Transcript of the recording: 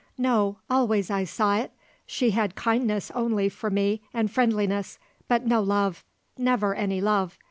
No; always I saw it; she had kindness only for me and friendliness; but no love; never any love.